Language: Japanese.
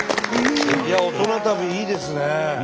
いや大人旅いいですね。